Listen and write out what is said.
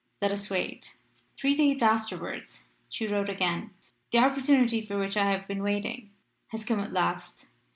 Let us wait." Three days afterwards she wrote again. "The opportunity for which I have been waiting has come at last.